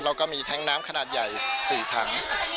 แล้วก็มีแท้งน้ำขนาดใหญ่๔ถัง